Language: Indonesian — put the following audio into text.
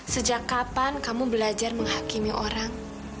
sejak kapan kamu belajar menghakimi orang